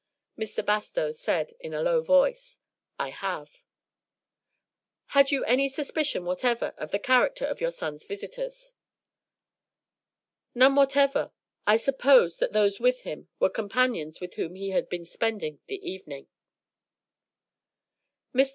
Mr. Bastow said in a low voice: "I have." "Had you any suspicion whatever of the character of your son's visitors?" "None whatever. I supposed that those with him were companions with whom he had been spending the evening." Mr.